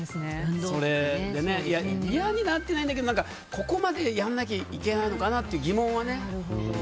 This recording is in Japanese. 嫌になってないけどここまでやらなきゃいけないのかなっていう疑問はね。